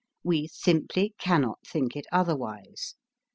We simply cannot think it otherwise.